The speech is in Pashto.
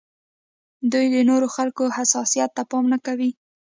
دوی د نورو خلکو حساسیت ته پام نه کوي.